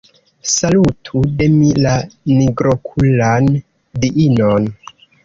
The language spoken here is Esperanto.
Salutu de mi la nigrokulan diinon.